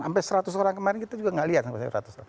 sampai seratus orang kemarin kita juga nggak lihat